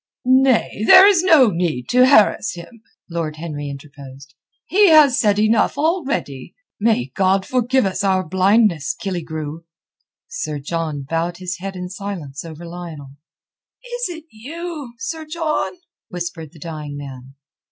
"Nay, there is no need to harass him," Lord Henry interposed. "He has said enough already. May God forgive us our blindness, Killigrew!" Sir John bowed his head in silence over Lionel. "Is it you, Sir John?" whispered the dying man.